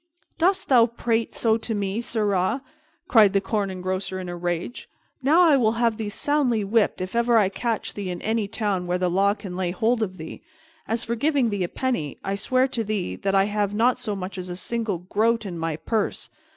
"Doss thou prate so to me, sirrah?" cried the Corn Engrosser in a rage. "Now I will have thee soundly whipped if ever I catch thee in any town where the law can lay hold of thee! As for giving thee a penny, I swear to thee that I have not so much as a single groat in my purse.